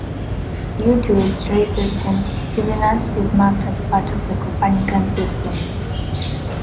Due to its ray system, Stevinus is mapped as part of the Copernican System.